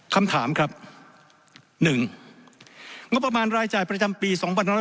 คำถามครับ๑งบประมาณรายจ่ายประจำปี๒๕๖๐